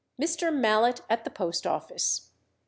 Mallet at the Post Office."